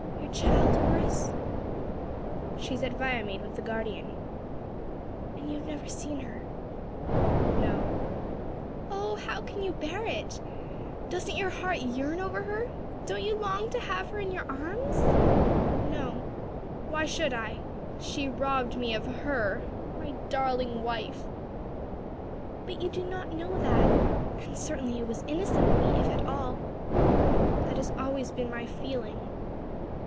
"Your child, Horace?" "She is at Viamede with the guardian." "And you have never seen her?" "No." "Oh how can you bear it? doesn't your heart yearn over her? don't you long to have her in your arms?" "No; why should I? she robbed me of her my darling wife." "But you do not know that? and certainly it was innocently, if at all." "That has always been my feeling."